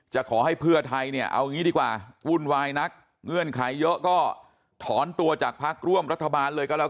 ขอให้เพื่อไทยเนี่ยเอางี้ดีกว่าวุ่นวายนักเงื่อนไขเยอะก็ถอนตัวจากพักร่วมรัฐบาลเลยก็แล้ว